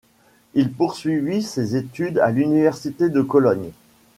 Il poursuivit ses études à l'Université de Cologne.